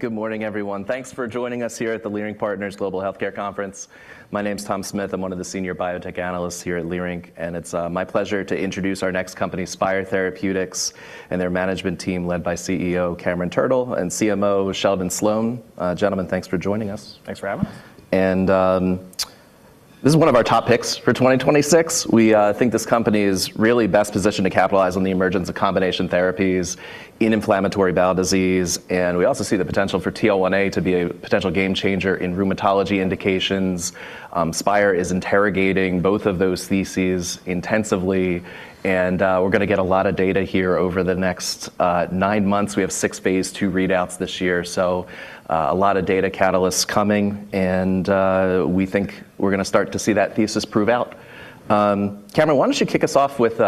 Good morning, everyone. Thanks for joining us here at the Leerink Partners Global Healthcare Conference. My name's Tom Smith. I'm one of the senior biotech analysts here at Leerink, and it's my pleasure to introduce our next company, Spyre Therapeutics, and their management team, led by CEO Cameron Turtle and CMO Sheldon Sloan. Gentlemen, thanks for joining us. Thanks for having us. This is one of our top picks for 2026. We think this company is really best positioned to capitalize on the emergence of combination therapies in inflammatory bowel disease. We also see the potential for TL1A to be a potential game-changer in rheumatology indications. Spyre is interrogating both of those theses intensively. We're gonna get a lot of data here over the next 9 months. We have 6 phase II readouts this year, a lot of data catalysts coming. We think we're gonna start to see that thesis prove out. Cameron, why don't you kick us off with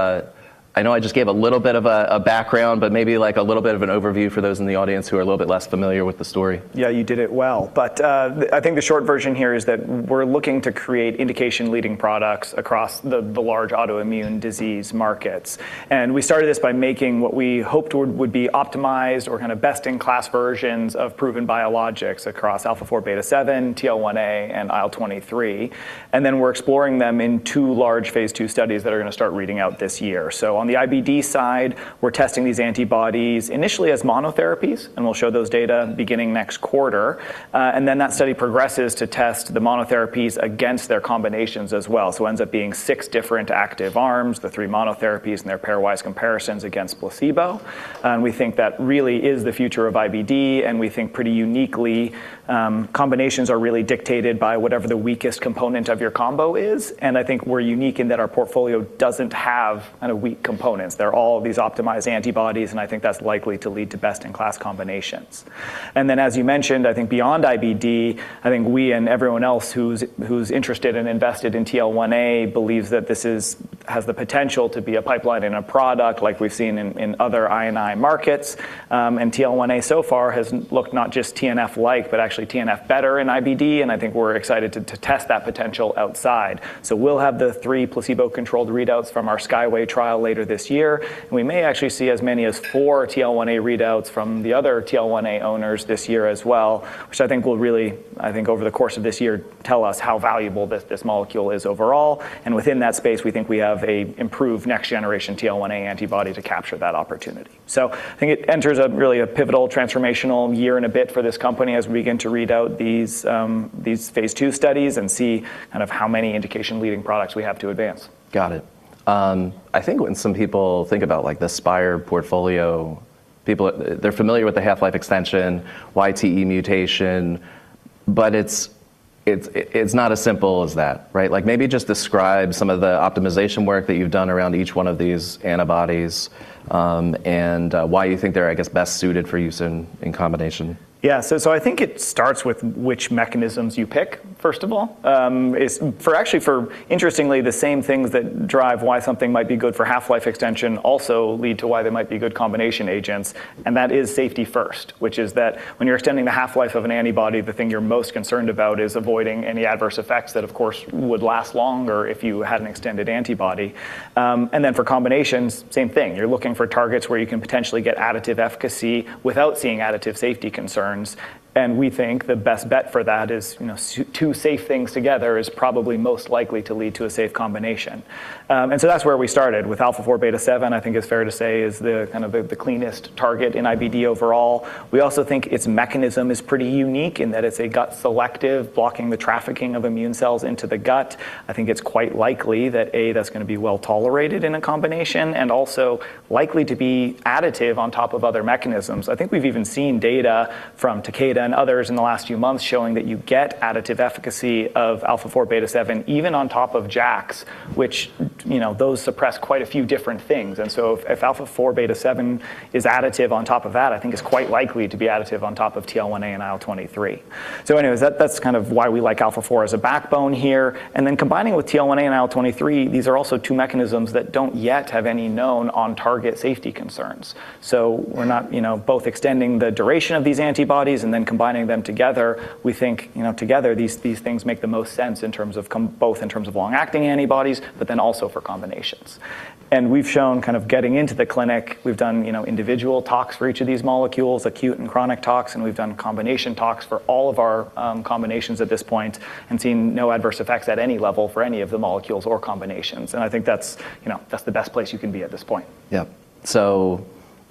a background, but maybe, like, a little bit of an overview for those in the audience who are a little bit less familiar with the story. Yeah, you did it well. I think the short version here is that we're looking to create indication-leading products across the large autoimmune disease markets. We started this by making what we hoped would be optimized or kind of best-in-class versions of proven biologics across α4β7, TL1A, and IL-23, and then we're exploring them in 2 large phase II studies that are gonna start reading out this year. On the IBD side, we're testing these antibodies initially as monotherapies, and we'll show those data beginning next quarter. That study progresses to test the monotherapies against their combinations as well. It ends up being 6 different active arms, the 3 monotherapies and their pairwise comparisons against placebo. We think that really is the future of IBD, and we think pretty uniquely, combinations are really dictated by whatever the weakest component of your combo is. I think we're unique in that our portfolio doesn't have kind of weak components. They're all these optimized antibodies, and I think that's likely to lead to best-in-class combinations. As you mentioned, I think beyond IBD, I think we and everyone else who's interested and invested in TL1A believes that this has the potential to be a pipeline and a product like we've seen in other I&I markets. TL1A so far has looked not just TNF-like, but actually TNF better in IBD, and I think we're excited to test that potential outside. We'll have the 3 placebo-controlled readouts from our SKYWAY trial later this year, and we may actually see as many as 4 TL1A readouts from the other TL1A owners this year as well, which I think will really, over the course of this year, tell us how valuable this molecule is overall, and within that space, we think we have a improved next-generation TL1A antibody to capture that opportunity. I think it enters a really a pivotal transformational year and a bit for this company as we begin to read out these phase II studies and see kind of how many indication-leading products we have to advance. Got it. I think when some people think about, like, the Spyre portfolio, people, they're familiar with the half-life extension, YTE mutation, but it's not as simple as that, right? Like, maybe just describe some of the optimization work that you've done around each one of these antibodies, and why you think they're, I guess, best suited for use in combination. I think it starts with which mechanisms you pick, first of all. Actually, for interestingly, the same things that drive why something might be good for half-life extension also lead to why they might be good combination agents, and that is safety first, which is that when you're extending the half-life of an antibody, the thing you're most concerned about is avoiding any adverse effects that, of course, would last longer if you had an extended antibody. For combinations, same thing. You're looking for targets where you can potentially get additive efficacy without seeing additive safety concerns. We think the best bet for that is, you know, two safe things together is probably most likely to lead to a safe combination. That's where we started with α4β7, I think it's fair to say is the cleanest target in IBD overall. We also think its mechanism is pretty unique in that it's a gut selective, blocking the trafficking of immune cells into the gut. I think it's quite likely that, A, that's gonna be well-tolerated in a combination, and also likely to be additive on top of other mechanisms. I think we've even seen data from Takeda and others in the last few months showing that you get additive efficacy of α4β7, even on top of JAKs, which, you know, those suppress quite a few different things. If α4β7 is additive on top of that, I think it's quite likely to be additive on top of TL1A and IL-23. Anyways, that's kind of why we like α4 as a backbone here. Combining with TL1A and IL-23, these are also two mechanisms that don't yet have any known on-target safety concerns. We're not, you know, both extending the duration of these antibodies and then combining them together. We think, you know, together, these things make the most sense in terms of both in terms of long-acting antibodies, but then also for combinations. We've shown kind of getting into the clinic, we've done, you know, individual tox for each of these molecules, acute and chronic tox, and we've done combination tox for all of our combinations at this point and seen no adverse effects at any level for any of the molecules or combinations. I think that's, you know, that's the best place you can be at this point. Yeah.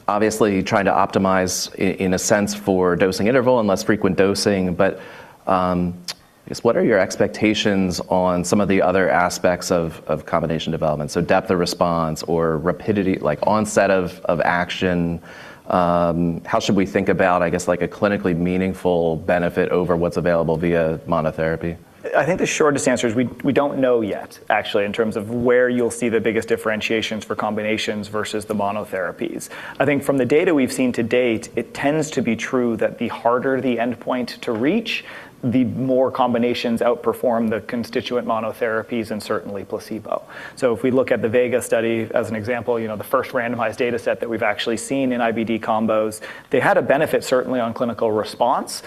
Obviously, trying to optimize in a sense for dosing interval and less frequent dosing, but, I guess, what are your expectations on some of the other aspects of combination development? Depth of response or rapidity, like onset of action. How should we think about, I guess, like a clinically meaningful benefit over what's available via monotherapy? I think the shortest answer is we don't know yet, actually, in terms of where you'll see the biggest differentiations for combinations versus the monotherapies. I think from the data we've seen to date, it tends to be true that the harder the endpoint to reach, the more combinations outperform the constituent monotherapies and certainly placebo. If we look at the VEGA study as an example, you know, the first randomized data set that we've actually seen in IBD combos, they had a benefit certainly on clinical response.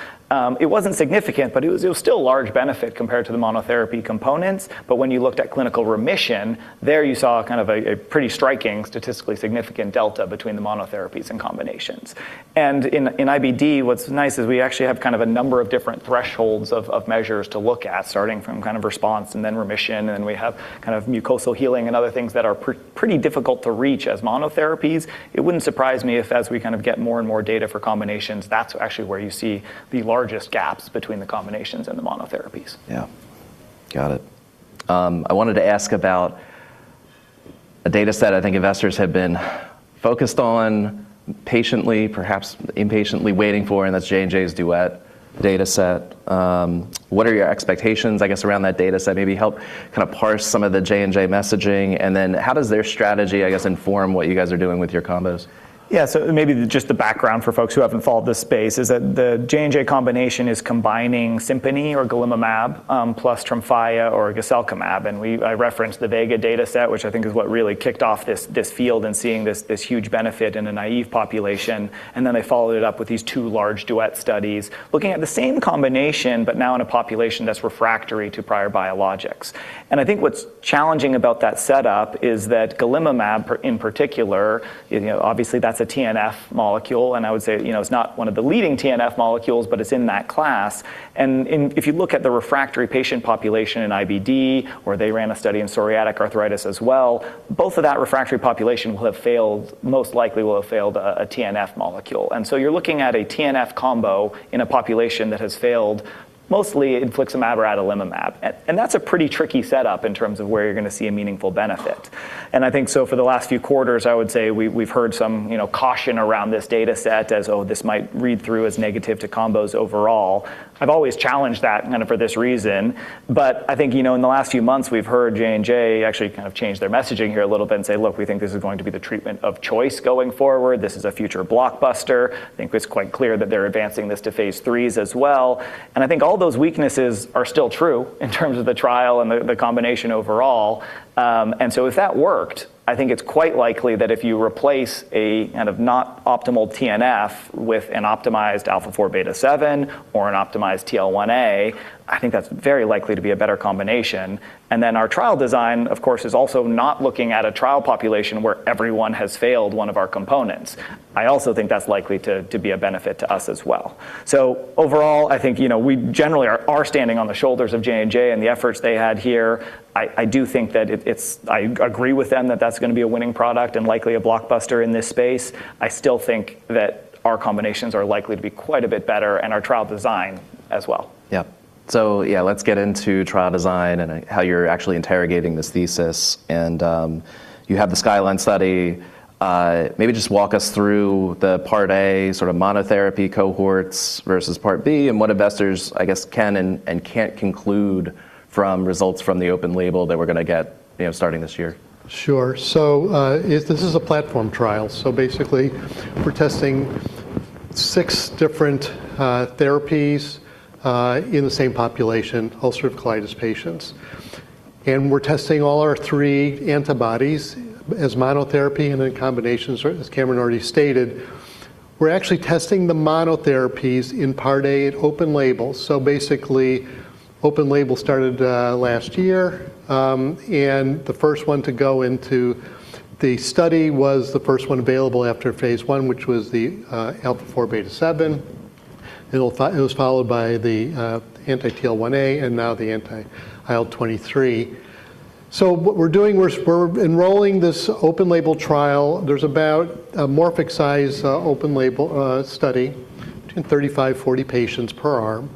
It wasn't significant, but it was still a large benefit compared to the monotherapy components. When you looked at clinical remission, there you saw kind of a pretty striking statistically significant delta between the monotherapies and combinations. In IBD, what's nice is we actually have kind of a number of different thresholds of measures to look at, starting from kind of response and then remission, and we have kind of mucosal healing and other things that are pretty difficult to reach as monotherapies. It wouldn't surprise me if as we kind of get more and more data for combinations, that's actually where you see the largest gaps between the combinations and the monotherapies. Yeah. Got it. I wanted to ask about a data set I think investors have been focused on patiently, perhaps impatiently waiting for, and that's J&J's DUET data set. What are your expectations, I guess, around that data set? Maybe help kind of parse some of the J&J messaging, and then how does their strategy, I guess, inform what you guys are doing with your combos? Maybe just the background for folks who haven't followed this space is that the J&J combination is combining SIMPONI or golimumab plus TREMFYA or guselkumab. I referenced the VEGA data set, which I think is what really kicked off this field and seeing this huge benefit in a naive population. They followed it up with these 2 large DUET studies looking at the same combination, but now in a population that's refractory to prior biologics. I think what's challenging about that setup is that golimumab in particular, you know, obviously, that's a TNF molecule, and I would say, you know, it's not one of the leading TNF molecules, but it's in that class. If you look at the refractory patient population in IBD, where they ran a study in psoriatic arthritis as well, both of that refractory population most likely will have failed a TNF molecule. You're looking at a TNF combo in a population that has failed mostly infliximab or adalimumab. That's a pretty tricky setup in terms of where you're gonna see a meaningful benefit. For the last few quarters, I would say we've heard some, you know, caution around this data set as, oh, this might read through as negative to combos overall. I've always challenged that kind of for this reason, but I think, you know, in the last few months we've heard J&J actually kind of change their messaging here a little bit and say, "Look, we think this is going to be the treatment of choice going forward. This is a future blockbuster." I think it's quite clear that they're advancing this to phase IIIs as well. I think all those weaknesses are still true in terms of the trial and the combination overall. If that worked, I think it's quite likely that if you replace a kind of not optimal TNF with an optimized α4β7 or an optimized TL1A, I think that's very likely to be a better combination. Our trial design, of course, is also not looking at a trial population where everyone has failed one of our components. I also think that's likely to be a benefit to us as well. Overall, I think, you know, we generally are standing on the shoulders of J&J and the efforts they had here. I do think that it's I agree with them that that's gonna be a winning product and likely a blockbuster in this space. I still think that our combinations are likely to be quite a bit better and our trial design as well. Let's get into trial design and how you're actually interrogating this thesis. You have the SKYLINE study. Maybe just walk us through the part A sort of monotherapy cohorts versus part B and what investors, I guess, can and can't conclude from results from the open label that we're gonna get, you know, starting this year. Sure. This is a platform trial, basically we're testing six different therapies in the same population, ulcerative colitis patients. We're testing all our three antibodies as monotherapy and in combinations, as Cameron already stated. We're actually testing the monotherapies in part A at open label. Basically, open label started last year. The first one to go into the study was the first one available after phase I, which was the alpha four, beta seven. It was followed by the anti-TL1A, and now the anti-IL-23. What we're doing, we're enrolling this open label trial. There's about Morphic size open label study, between 35, 40 patients per arm.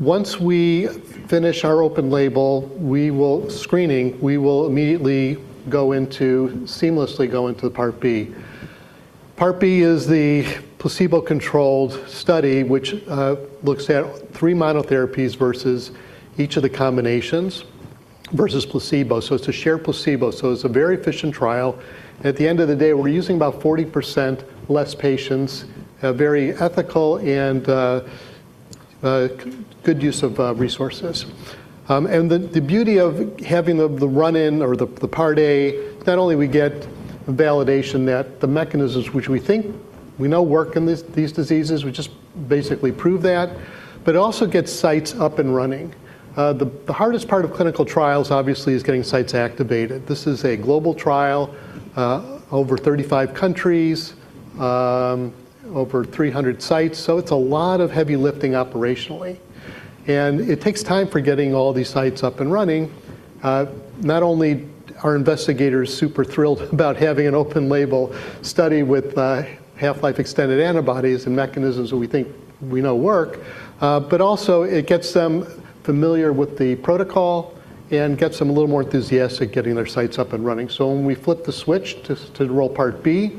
Once we finish our open label screening, we will seamlessly go into the part B. Part B is the placebo-controlled study, which looks at 3 monotherapies versus each of the combinations versus placebo. It's a shared placebo, so it's a very efficient trial. At the end of the day, we're using about 40% less patients, a very ethical and a good use of resources. The beauty of having the run-in or the part A, not only we get validation that the mechanisms which we think we know work in these diseases, we just basically prove that, but also get sites up and running. The hardest part of clinical trials obviously is getting sites activated. This is a global trial, over 35 countries, over 300 sites, so it's a lot of heavy lifting operationally, and it takes time for getting all these sites up and running. Not only are investigators super thrilled about having an open label study with half-life extended antibodies and mechanisms that we think we know work, but also it gets them familiar with the protocol and gets them a little more enthusiastic getting their sites up and running. When we flip the switch to roll Part B,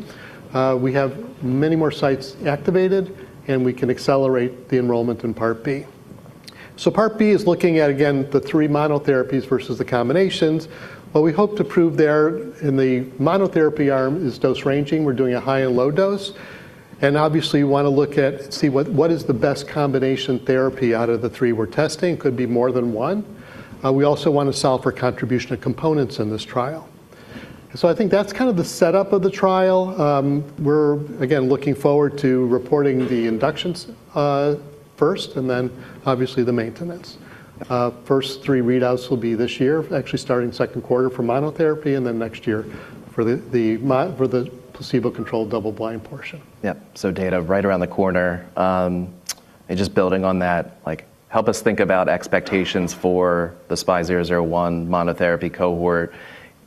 we have many more sites activated, and we can accelerate the enrollment in Part B. Part B is looking at, again, the 3 monotherapies versus the combinations. What we hope to prove there in the monotherapy arm is dose ranging. We're doing a high and low dose, and obviously we wanna see what is the best combination therapy out of the 3 we're testing, could be more than 1. We also wanna solve for contribution of components in this trial. I think that's kind of the setup of the trial. We're again looking forward to reporting the inductions, first and then obviously the maintenance. First three readouts will be this year, actually starting second quarter for monotherapy and then next year for the placebo-controlled double blind portion. Yeah. Data right around the corner. Just building on that, like help us think about expectations for the SPY001 monotherapy cohort.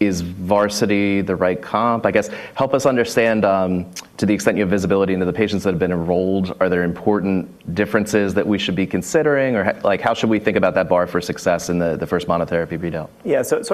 Is VARSITY the right comp? I guess, help us understand, to the extent you have visibility into the patients that have been enrolled, are there important differences that we should be considering? Like, how should we think about that bar for success in the first monotherapy build?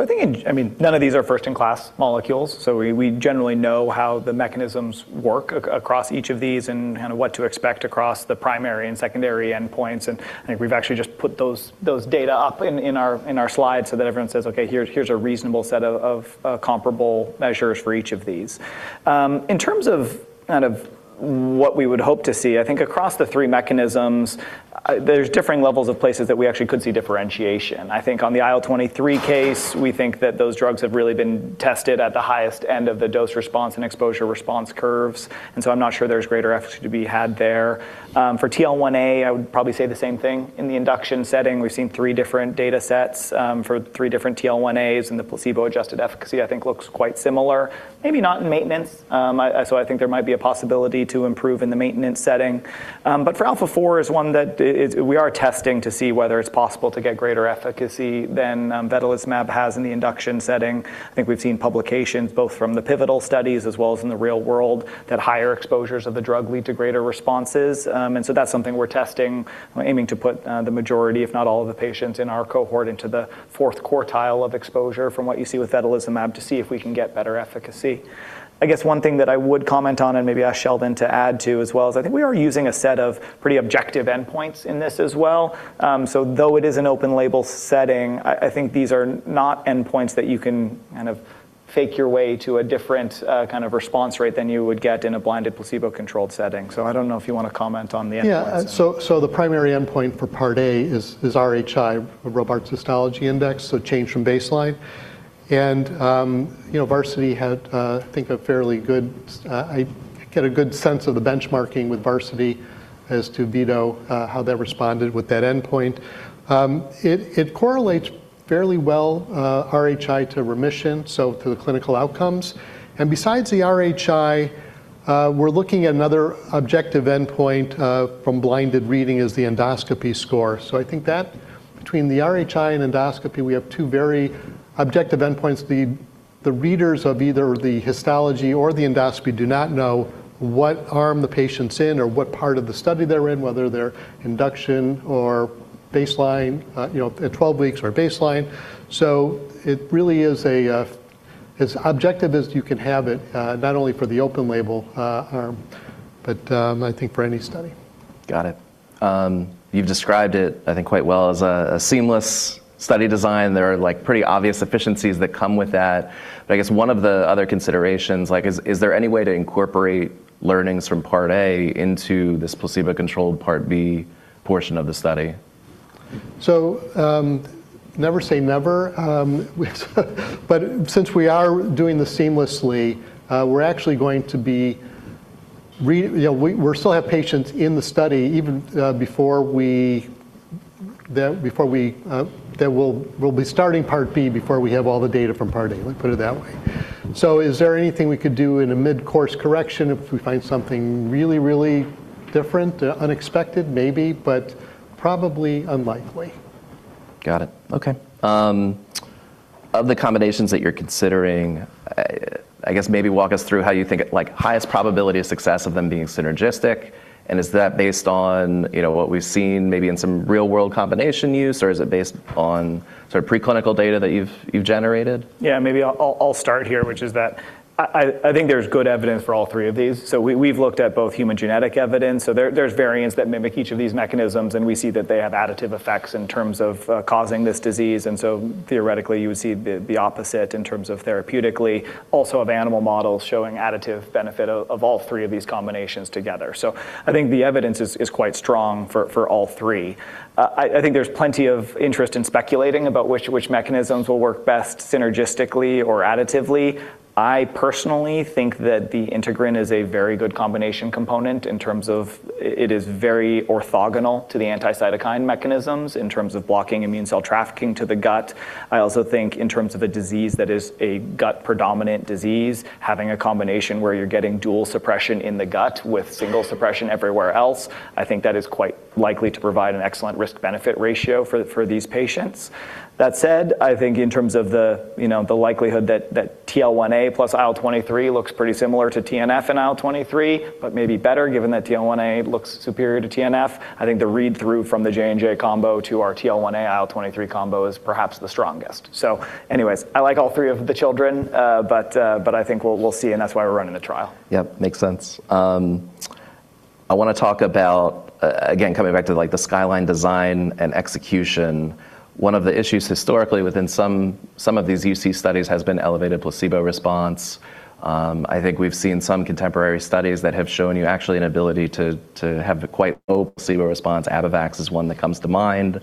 I think I mean, none of these are first-in-class molecules, so we generally know how the mechanisms work across each of these and kind of what to expect across the primary and secondary endpoints. I think we've actually just put those data up in our slides so that everyone says, "Okay, here's a reasonable set of comparable measures for each of these." In terms of kind of what we would hope to see, I think across the three mechanisms, there's differing levels of places that we actually could see differentiation. I think on the IL-23 case, we think that those drugs have really been tested at the highest end of the dose response and exposure response curves, I'm not sure there's greater efficacy to be had there. For TL1A, I would probably say the same thing. In the induction setting, we've seen three different data sets for three different TL1As and the placebo-adjusted efficacy, I think looks quite similar. Maybe not in maintenance. I think there might be a possibility to improve in the maintenance setting. For alpha four is one that we are testing to see whether it's possible to get greater efficacy than vedolizumab has in the induction setting. I think we've seen publications both from the pivotal studies as well as in the real world that higher exposures of the drug lead to greater responses. That's something we're testing. We're aiming to put the majority, if not all of the patients in our cohort into the fourth quartile of exposure from what you see with vedolizumab to see if we can get better efficacy. I guess one thing that I would comment on and maybe ask Sheldon to add to as well, is I think we are using a set of pretty objective endpoints in this as well. Though it is an open label setting, I think these are not endpoints that you can kind of fake your way to a different kind of response rate than you would get in a blinded placebo-controlled setting. I don't know if you wanna comment on the endpoints. So the primary endpoint for Part A is RHI, Robarts Histopathology Index, so change from baseline. You know, VARSITY had, I think, I get a good sense of the benchmarking with VARSITY as to VEGA, how that responded with that endpoint. It correlates fairly well, RHI to remission, so to the clinical outcomes. Besides the RHI, we're looking at another objective endpoint, from blinded reading is the endoscopy score. I think that between the RHI and endoscopy, we have two very objective endpoints. The readers of either the histology or the endoscopy do not know what arm the patient's in or what part of the study they're in, whether they're induction or baseline, you know, at 12 weeks or baseline. It really is a, as objective as you can have it, not only for the open label, arm, but, I think for any study. Got it. You've described it, I think, quite well as a seamless study design. There are, like, pretty obvious efficiencies that come with that. I guess one of the other considerations, like is there any way to incorporate learnings from Part A into this placebo-controlled Part B portion of the study? Never say never. Since we are doing this seamlessly, you know, we still have patients in the study even before we that we'll be starting Part B before we have all the data from Part A. Let me put it that way. Is there anything we could do in a mid-course correction if we find something really different, unexpected? Maybe, but probably unlikely. Got it. Okay. Of the combinations that you're considering, I guess maybe walk us through how you think like highest probability of success of them being synergistic, and is that based on, you know, what we've seen maybe in some real-world combination use, or is it based on sort of preclinical data that you've generated? Yeah, maybe I'll start here, which is that I think there's good evidence for all three of these. We've looked at both human genetic evidence. There's variants that mimic each of these mechanisms, and we see that they have additive effects in terms of causing this disease. Theoretically, you would see the opposite in terms of therapeutically. Also, of animal models showing additive benefit of all three of these combinations together. I think the evidence is quite strong for all three. I think there's plenty of interest in speculating about which mechanisms will work best synergistically or additively. I personally think that the integrin is a very good combination component in terms of it is very orthogonal to the anti-cytokine mechanisms in terms of blocking immune cell trafficking to the gut. I also think in terms of a disease that is a gut-predominant disease, having a combination where you're getting dual suppression in the gut with single suppression everywhere else, I think that is quite likely to provide an excellent risk-benefit ratio for these patients. That said, I think in terms of the, you know, the likelihood that TL1A plus IL-23 looks pretty similar to TNF and IL-23, but maybe better given that TL1A looks superior to TNF. I think the read-through from the J&J combo to our TL1A/IL-23 combo is perhaps the strongest. Anyways, I like all three of the children, but I think we'll see, and that's why we're running the trial. Yep, makes sense. I wanna talk about again, coming back to, like, the SKYLINE design and execution. One of the issues historically within some of these UC studies has been elevated placebo response. I think we've seen some contemporary studies that have shown you actually an ability to have a quite low placebo response. Abivax is one that comes to mind.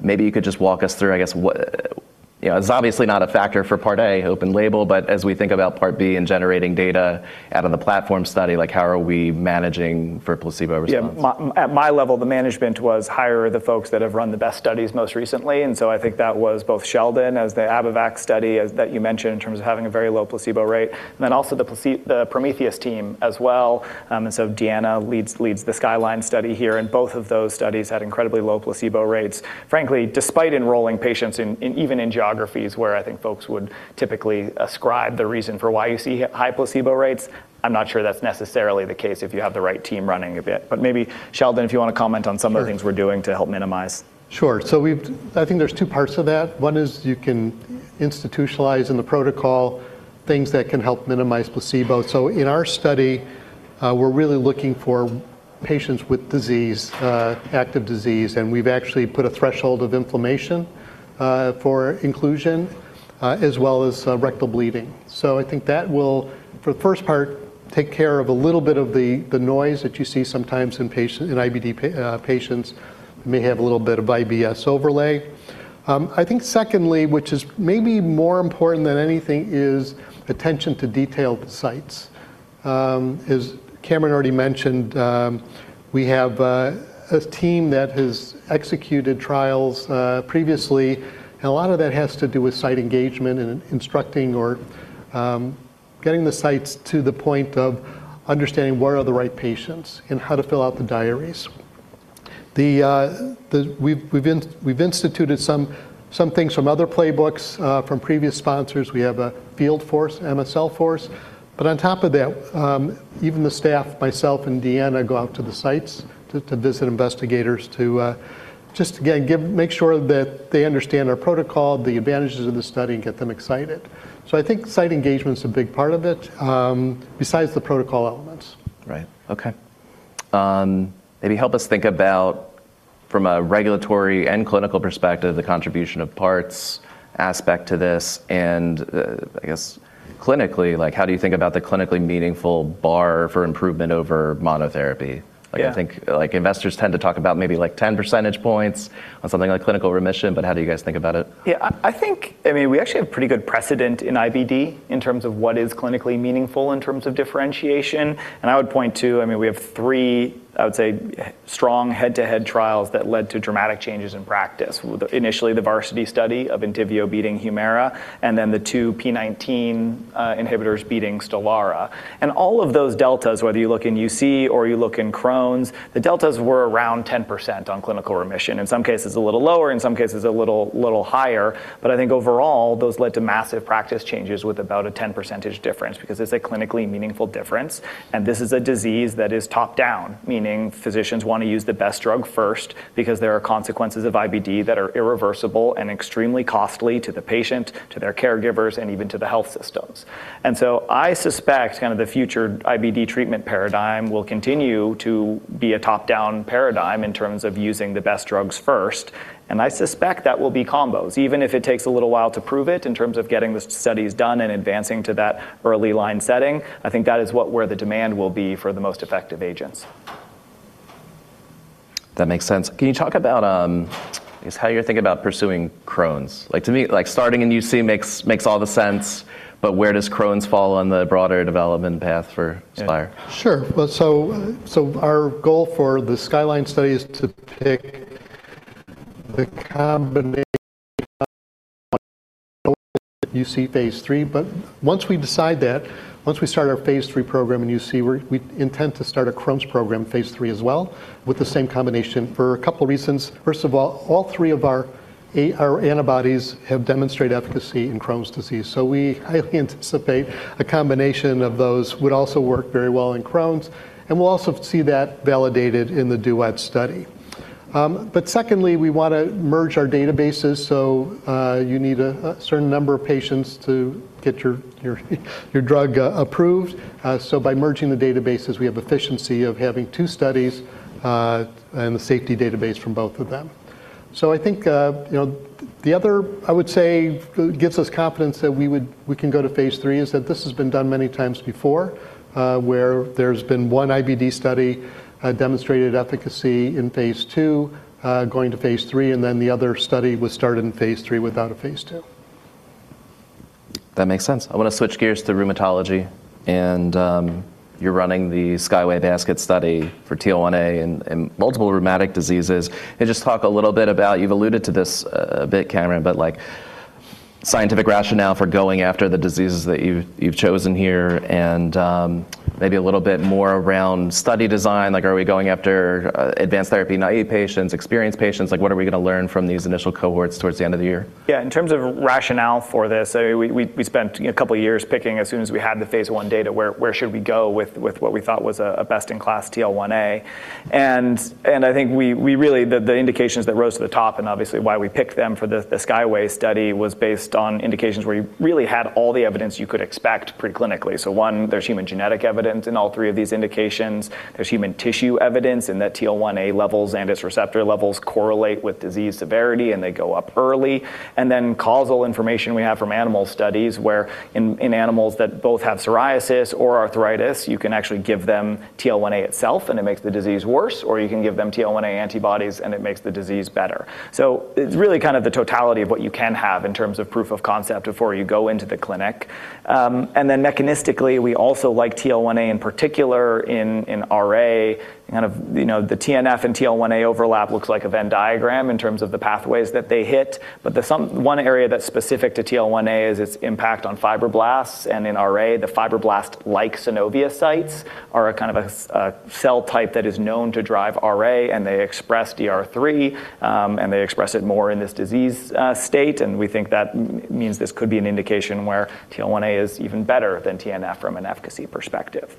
Maybe you could just walk us through, I guess what, You know, it's obviously not a factor for Part A, open label, but as we think about Part B and generating data out of the platform study, like, how are we managing for placebo response? At my level, the management was hire the folks that have run the best studies most recently. I think that was both Sheldon, as the Abivax study that you mentioned in terms of having a very low placebo rate. Also the Prometheus team as well. Deanna leads the SKYLINE study here, and both of those studies had incredibly low placebo rates, frankly, despite enrolling patients in even in geographies where I think folks would typically ascribe the reason for why you see high placebo rates. I'm not sure that's necessarily the case if you have the right team running a bit. Maybe, Sheldon, if you wanna comment on some of the things we're doing to help minimize. Sure. we've I think there's two parts to that. One is you can institutionalize in the protocol things that can help minimize placebo. In our study, we're really looking for patients with disease, active disease, and we've actually put a threshold of inflammation for inclusion as well as rectal bleeding. I think that will, for the first part, take care of a little bit of the noise that you see sometimes in patient, in IBD patients, may have a little bit of IBS overlay. I think secondly, which is maybe more important than anything is attention to detailed sites. As Cameron already mentioned, we have a team that has executed trials previously, and a lot of that has to do with site engagement and instructing or getting the sites to the point of understanding where are the right patients and how to fill out the diaries. We've instituted some things from other playbooks from previous sponsors. We have a field force, MSL force. On top of that, even the staff, myself and Deanna, go out to the sites to visit investigators to just again, make sure that they understand our protocol, the advantages of the study, and get them excited. I think site engagement's a big part of it, besides the protocol elements. Right. Okay. Maybe help us think about from a regulatory and clinical perspective, the contribution of components aspect to this, and the, I guess, clinically, like how do you think about the clinically meaningful bar for improvement over monotherapy? Yeah. Like I think, like investors tend to talk about maybe like 10 percentage points on something like clinical remission, but how do you guys think about it? I think, I mean, we actually have pretty good precedent in IBD in terms of what is clinically meaningful in terms of differentiation, and I would point to, I mean we have three, I would say, strong head-to-head trials that led to dramatic changes in practice. Initially the VARSITY study of ENTYVIO beating HUMIRA, and then the two p19 inhibitors beating STELARA. All of those deltas, whether you look in UC or you look in Crohn's, the deltas were around 10% on clinical remission. In some cases a little lower, in some cases a little higher. I think overall, those led to massive practice changes with about a 10% difference because it's a clinically meaningful difference, and this is a disease that is top-down, meaning physicians wanna use the best drug first because there are consequences of IBD that are irreversible and extremely costly to the patient, to their caregivers, and even to the health systems. I suspect kind of the future IBD treatment paradigm will continue to be a top-down paradigm in terms of using the best drugs first, and I suspect that will be combos, even if it takes a little while to prove it in terms of getting the studies done and advancing to that early line setting. I think that is what where the demand will be for the most effective agents. That makes sense. Can you talk about, I guess how you're thinking about pursuing Crohn's? Like to me, like starting in UC makes all the sense, but where does Crohn's fall on the broader development path for Spyre? Yeah. Sure. Our goal for the SKYLINE Study is to pick the combination UC phase III, but once we decide that, once we start our phase III program in UC, we intend to start a Crohn's program phase III as well with the same combination for a couple reasons. First of all three of our antibodies have demonstrated efficacy in Crohn's disease, so we highly anticipate a combination of those would also work very well in Crohn's, and we'll also see that validated in the DUET study. Secondly, we wanna merge our databases, so you need a certain number of patients to get your drug approved. By merging the databases, we have efficiency of having two studies and the safety database from both of them. I think, you know, the other, I would say, gives us confidence that we can go to phase III is that this has been done many times before, where there's been 1 IBD study, demonstrated efficacy in phase II, going to phase III, and then the other study was started in phase III without a phase II. That makes sense. I wanna switch gears to rheumatology and, you're running the SKYWAY Basket study for TL1A and multiple rheumatic diseases. Just talk a little bit about, you've alluded to this a bit, Cameron, but like scientific rationale for going after the diseases that you've chosen here and, Maybe a little bit more around study design. Are we going after advanced therapy-naive patients, experienced patients? What are we gonna learn from these initial cohorts towards the end of the year? Yeah. In terms of rationale for this, we spent a couple years picking as soon as we had the phase I data where should we go with what we thought was a best-in-class TL1A. I think we really... the indications that rose to the top, and obviously why we picked them for the Skyway study, was based on indications where you really had all the evidence you could expect pre-clinically. One, there's human genetic evidence in all three of these indications. There's human tissue evidence in that TL1A levels and its receptor levels correlate with disease severity and they go up early. Causal information we have from animal studies where in animals that both have psoriasis or arthritis, you can actually give them TL1A itself, and it makes the disease worse, or you can give them TL1A antibodies, and it makes the disease better. It's really kind of the totality of what you can have in terms of proof of concept before you go into the clinic. Mechanistically, we also like TL1A in particular in RA. Kind of, you know, the TNF and TL1A overlap looks like a Venn diagram in terms of the pathways that they hit. one area that's specific to TL1A is its impact on fibroblasts, and in RA, the fibroblast-like synoviocytes are a kind of a cell type that is known to drive RA, and they express DR3, and they express it more in this disease state, and we think that means this could be an indication where TL1A is even better than TNF from an efficacy perspective.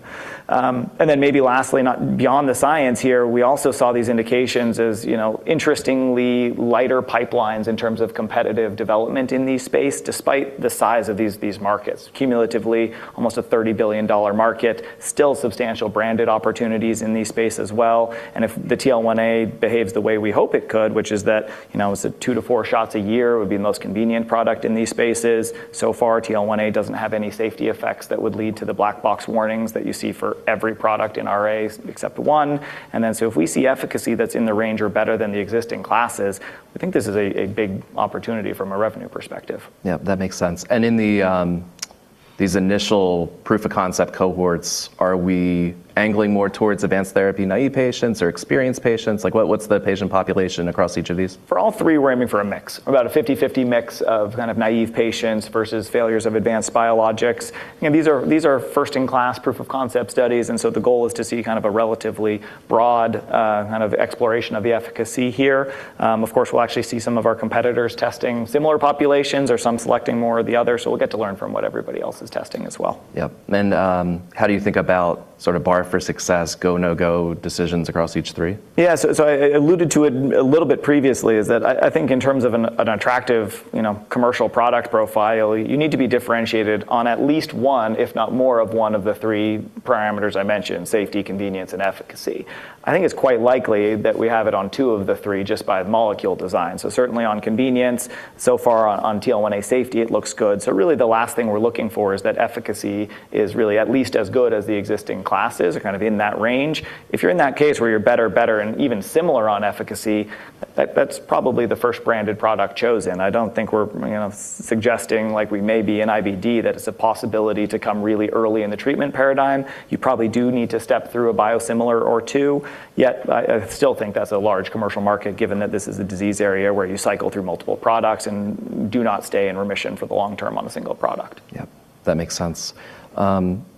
Maybe lastly, not beyond the science here, we also saw these indications as, you know, interestingly lighter pipelines in terms of competitive development in these space, despite the size of these markets. Cumulatively, almost a $30 billion market. Still substantial branded opportunities in these space as well. If the TL1A behaves the way we hope it could, which is that, you know, so 2 to 4 shots a year would be the most convenient product in these spaces. So far, TL1A doesn't have any safety effects that would lead to the black box warnings that you see for every product in RAs except one. If we see efficacy that's in the range or better than the existing classes, I think this is a big opportunity from a revenue perspective. Yeah, that makes sense. In these initial proof of concept cohorts, are we angling more towards advanced therapy-naive patients or experienced patients? Like what's the patient population across each of these? For all three, we're aiming for a mix, about a 50/50 mix of kind of naive patients versus failures of advanced biologics. You know, these are, these are first-in-class proof of concept studies, the goal is to see kind of a relatively broad, kind of exploration of the efficacy here. Of course, we'll actually see some of our competitors testing similar populations or some selecting more of the other, so we'll get to learn from what everybody else is testing as well. Yep, how do you think about sort of bar for success, go, no-go decisions across each three? I alluded to it a little bit previously is that I think in terms of an attractive, you know, commercial product profile, you need to be differentiated on at least one, if not more of one of the three parameters I mentioned: safety, convenience, and efficacy. I think it's quite likely that we have it on two of the three just by molecule design, certainly on convenience. On TL1A safety, it looks good, really the last thing we're looking for is that efficacy is really at least as good as the existing classes or kind of in that range. If you're in that case where you're better and even similar on efficacy, that's probably the first branded product chosen. I don't think we're, you know, suggesting like we may be in IBD that it's a possibility to come really early in the treatment paradigm. You probably do need to step through a biosimilar or two, yet I still think that's a large commercial market given that this is a disease area where you cycle through multiple products and do not stay in remission for the long term on a single product. Yep, that makes sense.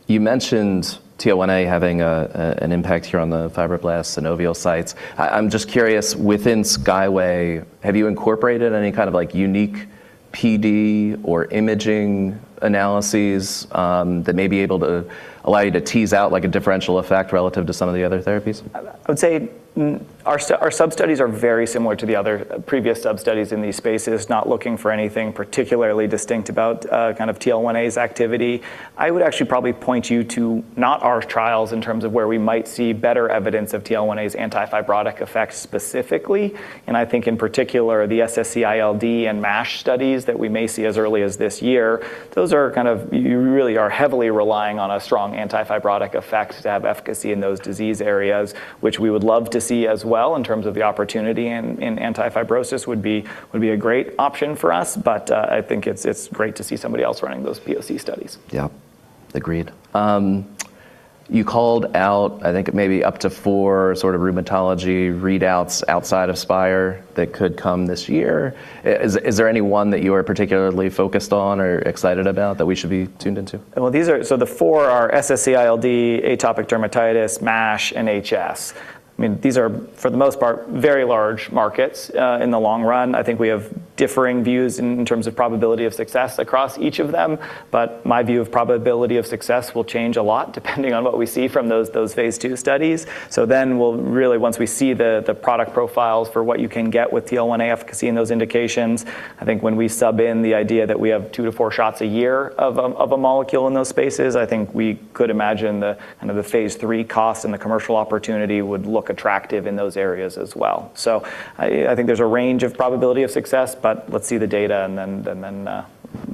You mentioned TL1A having an impact here on the fibroblast-like synoviocytes. I'm just curious, within SKYWAY, have you incorporated any kind of like unique PD or imaging analyses that may be able to allow you to tease out like a differential effect relative to some of the other therapies? I'd say our sub studies are very similar to the other previous sub studies in these spaces, not looking for anything particularly distinct about kind of TL1A's activity. I would actually probably point you to not our trials in terms of where we might see better evidence of TL1A's anti-fibrotic effects specifically, and I think in particular the SSCI LD and MASH studies that we may see as early as this year, those are kind of, you really are heavily relying on a strong anti-fibrotic effect to have efficacy in those disease areas, which we would love to see as well in terms of the opportunity in anti-fibrosis would be, would be a great option for us. I think it's great to see somebody else running those POC studies. Agreed. You called out I think maybe up to 4 sort of rheumatology readouts outside of Spyre that could come this year. Is there any one that you are particularly focused on or excited about that we should be tuned into? The four are SSCI LD, atopic dermatitis, MASH, and HS. I mean, these are, for the most part, very large markets. In the long run, I think we have differing views in terms of probability of success across each of them. My view of probability of success will change a lot depending on what we see from those phase II studies. We'll really, once we see the product profiles for what you can get with TL1A efficacy in those indications, I think when we sub in the idea that we have 2 to 4 shots a year of a molecule in those spaces, I think we could imagine the kind of the phase III costs and the commercial opportunity would look attractive in those areas as well. I think there's a range of probability of success, but let's see the data and then,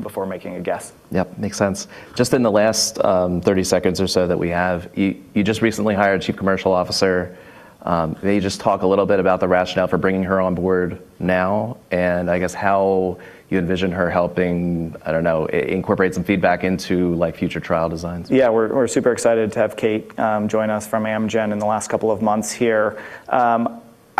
before making a guess. Yep, makes sense. Just in the last, 30 seconds or so that we have, you just recently hired a chief commercial officer. Will you just talk a little bit about the rationale for bringing her on board now and I guess how you envision her helping, I don't know, incorporate some feedback into like future trial designs? We're super excited to have Kate join us from Amgen in the last couple of months here.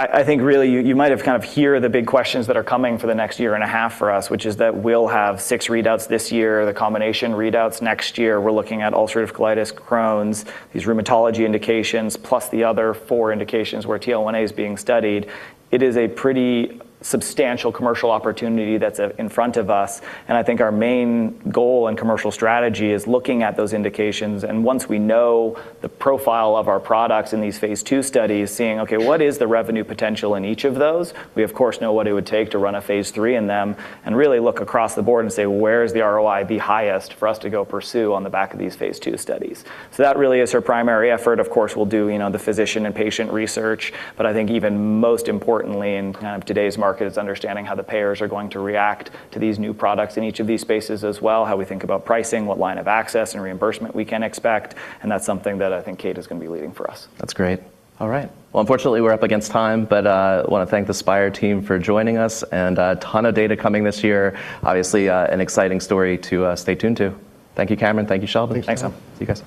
I think really you might have kind of hear the big questions that are coming for the next year and a half for us, which is that we'll have six readouts this year, the combination readouts next year. We're looking at ulcerative colitis, Crohn's, these rheumatology indications, plus the other four indications where TL1A is being studied. It is a pretty substantial commercial opportunity in front of us, and I think our main goal and commercial strategy is looking at those indications, and once we know the profile of our products in these phase II studies, seeing, okay, what is the revenue potential in each of those? We of course know what it would take to run a phase III in them and really look across the board and say, "Well, where is the ROI the highest for us to go pursue on the back of these phase II studies?" That really is her primary effort. Of course, we'll do, you know, the physician and patient research, but I think even most importantly in kind of today's market is understanding how the payers are going to react to these new products in each of these spaces as well, how we think about pricing, what line of access and reimbursement we can expect, and that's something that I think Kate is gonna be leading for us. That's great. All right. Well, unfortunately, we're up against time, but wanna thank the Spyre team for joining us and ton of data coming this year. Obviously, an exciting story to stay tuned to. Thank you, Cameron. Thank you, Sheldon. Thanks, Tom. Thanks, Tom. See you guys.